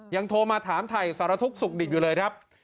โทรมาถามถ่ายสารทุกข์สุขดิบอยู่เลยครับ